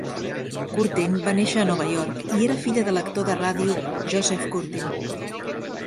Curtin va néixer a Nova York i era filla de l'actor de ràdio Joseph Curtin.